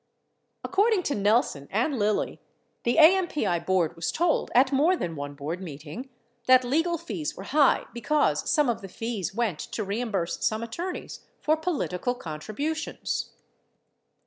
According to Nelson and Lilly, the AMPI board was told, at more than one board meeting, that legal fees were high because some of the fees went to reimburse some attorneys for political contributions.